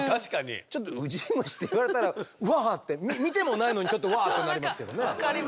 ちょっとウジ虫って言われたらうわって見てもないのにちょっとうわってなりますけどね。